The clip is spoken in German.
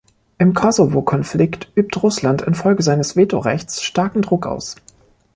Im Kosovo-Konflikt übt Russland infolge seines Vetorechts starken Druck aus.